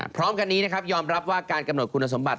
พร้อมกันนี้นะครับยอมรับว่าการกำหนดคุณสมบัติ